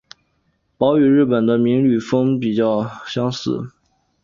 褓与日本的风吕敷比较相似。